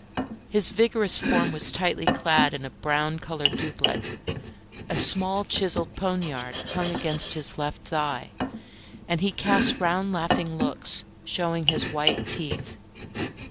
His vigorous form was tightly clad in a brown coloured doublet; a small chiselled poniard hung against his left thigh, and he cast round laughing looks showing his white teeth.